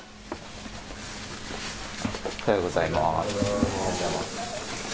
おはようございます。